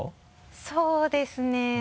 そうですね。